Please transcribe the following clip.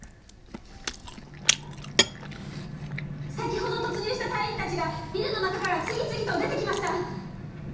先ほど突入した隊員たちがビルの中から次々と出てきました。